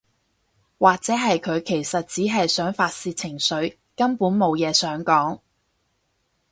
或者係佢其實只係想發洩情緒，根本無嘢想講